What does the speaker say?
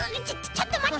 ちょっとまって。